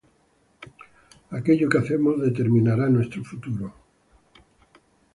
Aquello que hacemos determinará nuestro futuro.